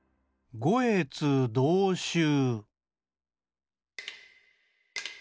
「ごえつどうしゅう」。